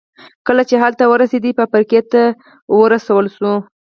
کله چې هلته ورسېد فابریکې ته ورسول شو